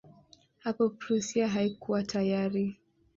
Hapo Prussia haikuwa tayari.